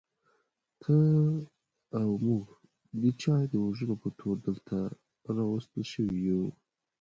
ته وا موږ د چا د وژلو په تور دلته راوستل شوي یو.